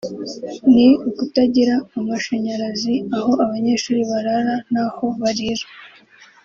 ni ukutagira amashanyarazi aho abanyeshuri barara n’aho barira